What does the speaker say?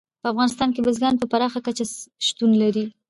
په افغانستان کې بزګان په پراخه کچه شتون لري.